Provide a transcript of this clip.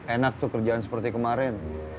enak tuh kerjaan seperti kemarin